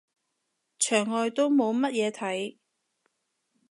牆外都冇乜嘢睇